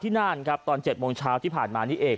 ที่น่านครับตอนเจ็ดโมงเช้าที่ผ่านมานี่เอง